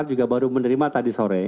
untuk tidak menyampaikan sendiri dari dpp